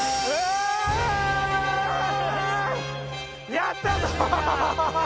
やったぞ！